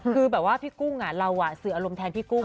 คือแบบว่าพี่กุ้งเราสื่ออารมณ์แทนพี่กุ้ง